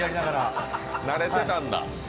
慣れてたんだ